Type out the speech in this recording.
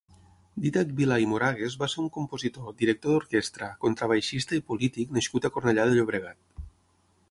Dídac Vilà i Moragues va ser un compositor, director d'orquestra, contrabaixista i polític nascut a Cornellà de Llobregat.